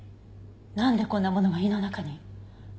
なんでこんなものが胃の中に？